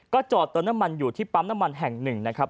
จอดเติมน้ำมันอยู่ที่ปั๊มน้ำมันแห่งหนึ่งนะครับ